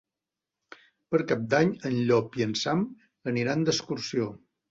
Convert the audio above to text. Per Cap d'Any en Llop i en Sam aniran d'excursió.